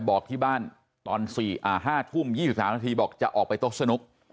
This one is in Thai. บอกที่บ้านตอน๕ทุ่ม๒๓นาทีบอกจะออกไปโต๊ะสนุก